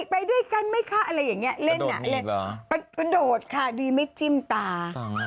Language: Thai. ไปด้วยกันไหมคะอะไรอย่างเงี้ยเล่นอ่ะมันโดดค่ะดีไม่จิ้มตา